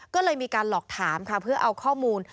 ก็เลยมีการหลอกถามค่ะเพื่อเอาข้อมูล